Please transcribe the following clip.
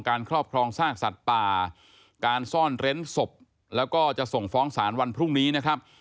ครอบครองซากสัตว์ป่าการซ่อนเร้นศพแล้วก็จะส่งฟ้องศาลวันพรุ่งนี้นะครับ